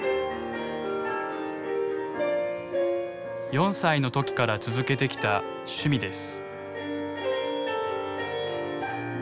４歳の時から続けてきた趣味です。